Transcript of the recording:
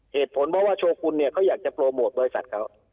เหตุผลเพราะว่าโชกุลเนี่ยเขาอยากจะโปรโมทบริษัทเขา